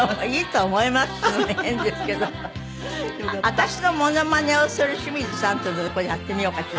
私のモノマネをする清水さんというのでこれやってみようかしら？